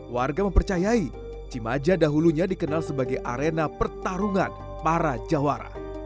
warga mempercayai cimaja dahulunya dikenal sebagai arena pertarungan para jawara